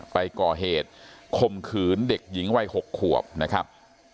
ไปก่อเหตุคมขืนเด็กหญิงวัย๖ขวบนะครับ